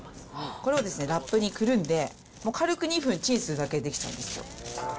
これをラップにくるんで軽く２分チンするだけで出来ちゃうんです